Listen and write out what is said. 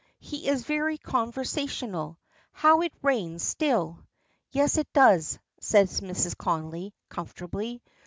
"He is very conversational. How it rains, still." "Yes, it does," says Mrs. Connolly, comfortably.